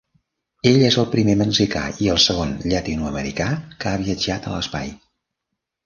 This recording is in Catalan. Ell és el primer mexicà i el segon llatinoamericà que ha viatjat a l'espai.